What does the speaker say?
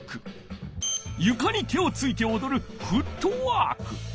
ゆかに手をついておどるフットワーク。